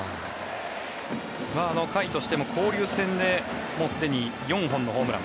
甲斐としても交流戦でもうすでに４本のホームラン。